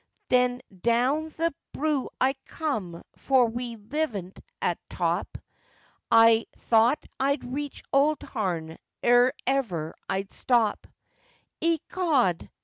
Then down th' broo I coom, for we livent at top, I thowt I'd reach Owdharn ere ever I'd stop; Ecod!